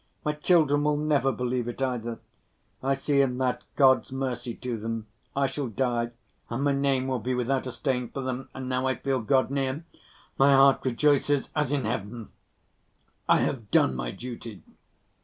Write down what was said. My children will never believe it either. I see in that God's mercy to them. I shall die, and my name will be without a stain for them. And now I feel God near, my heart rejoices as in Heaven ... I have done my duty."